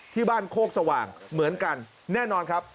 ที่บ้านโคกสว่างเหมือนกันแน่นอนครับ